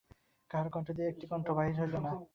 কাহারো কণ্ঠ দিয়া একটি কথা বাহির হইল না।